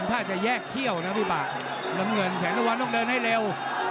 ถ้าจะแยกเขี้ยวนะพี่ปากน้ำเงินแสนตะวันต้องเดินให้เร็ว